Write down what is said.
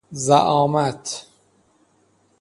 زعامت